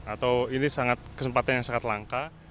atau ini kesempatan yang sangat langka